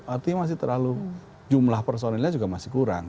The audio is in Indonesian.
artinya masih terlalu jumlah personilnya juga masih kurang